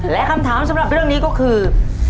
และคำถามสำหรับเรื่องนี้ก็คือ